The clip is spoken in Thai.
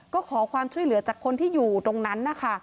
ก็ขอความช่วยเหลือจากคนที่อยู่ตรงนั้นนะคะ